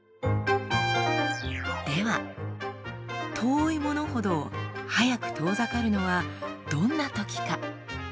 では遠いものほど速く遠ざかるのはどんなときか？